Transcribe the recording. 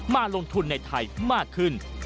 มาลงทุนในไทยมากขึ้น